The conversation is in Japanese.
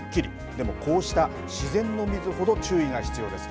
でも、こうした自然の水ほど注意が必要です。